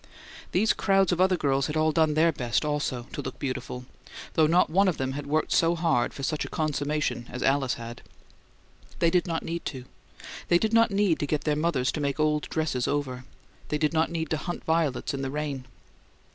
These crowds of other girls had all done their best, also, to look beautiful, though not one of them had worked so hard for such a consummation as Alice had. They did not need to; they did not need to get their mothers to make old dresses over; they did not need to hunt violets in the rain.